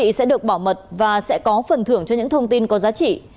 quý vị sẽ được bảo mật và sẽ có phần thưởng cho những thông tin có giá trị